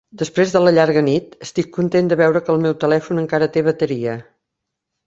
Després de la llarga nit, estic content de veure que el meu telèfon encara té bateria.